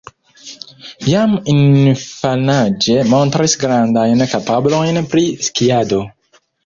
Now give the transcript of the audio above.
Jam infanaĝe montris grandajn kapablojn pri skiado.